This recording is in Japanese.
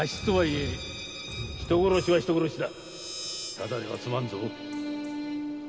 ただでは済まんぞ